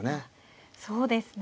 そうですね。